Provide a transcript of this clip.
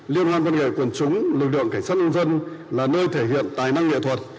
liên hoan văn nghệ quần chúng lực lượng cảnh sát nhân dân là nơi thể hiện tài năng nghệ thuật